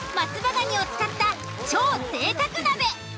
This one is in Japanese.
ガニを使った超贅沢鍋。